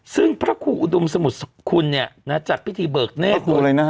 ซึ่งพระคู่อุดมสมุทรคุณจัดพิธีเบิกเนท